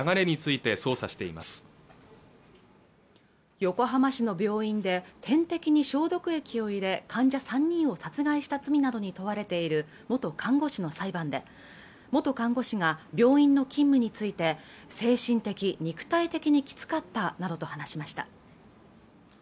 横浜市の病院で点滴に消毒液を入れ患者３人を殺害した罪などに問われている元看護師の裁判で元看護師が病院の勤務について精神的・肉体的にきつかったなどと話しました